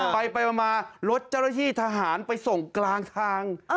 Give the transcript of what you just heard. ไปมารถเจ้าหน้าที่ทหารไปส่งกลางทาง